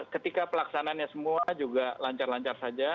ketika pelaksananya semua juga lancar lancar saja